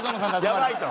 やばいと。